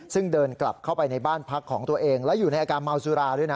ซึ่งเดินกลับเข้าไปในบ้านพักของตัวเองแล้วอยู่ในอาการเมาสุราด้วยนะ